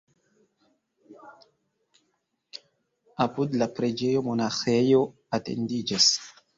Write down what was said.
Apud la preĝejo monaĥejo etendiĝas.